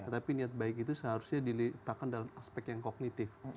tapi niat baik itu seharusnya diletakkan dalam aspek yang kognitif